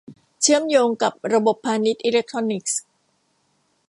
เชื่อมโยงกับระบบพาณิชย์อิเล็กทรอนิกส์